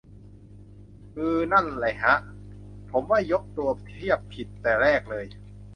อือ นั่นแหละฮะ ผมว่ายกตัวเทียบผิดแต่แรกเลย